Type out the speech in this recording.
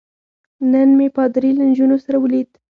نن مې پادري له نجونو سره ولید.